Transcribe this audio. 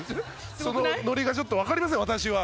そのノリが分かりません私は。